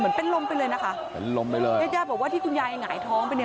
เป็นลมไปเลยนะคะเป็นลมไปเลยญาติญาติบอกว่าที่คุณยายหงายท้องไปเนี่ย